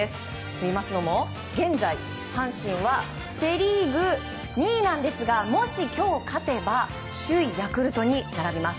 といいますのも現在阪神はセ・リーグ２位ですがもし今日勝てば首位ヤクルトに並びます。